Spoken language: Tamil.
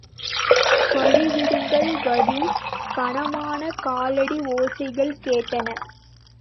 வழிவிடுங்கள், வழி! கனமான காலடி ஓசைகள் கேட்டன.